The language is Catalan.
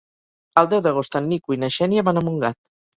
El deu d'agost en Nico i na Xènia van a Montgat.